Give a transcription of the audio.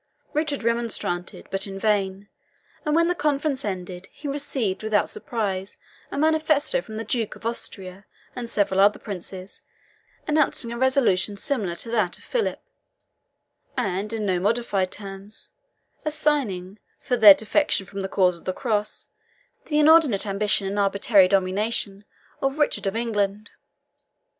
Richard remonstrated, but in vain; and when the conference ended he received without surprise a manifesto from the Duke of Austria, and several other princes, announcing a resolution similar to that of Philip, and in no modified terms, assigning, for their defection from the cause of the Cross, the inordinate ambition and arbitrary domination of Richard of England.